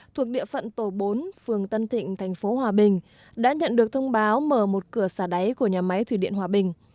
thuộc địa phận tổ bốn phường tân thịnh thành phố hòa bình đã nhận được thông báo mở một cửa xả đáy của nhà máy thủy điện hòa bình